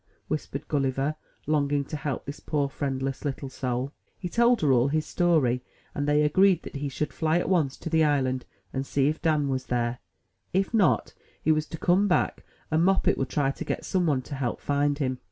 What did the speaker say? whispered Gulliver, longing to help this poor, friendless little soul. He told her all his story; and they agreed that he should fly at once to the island, and see if Dan was there; if not, he was to come back, and Moppet would try to get some one to help find him.